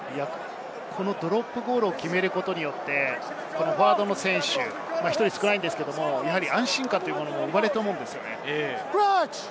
ドロップゴールを決めることによって、フォワードの選手１人少ないんですけれど、安心感も生まれると思うんです。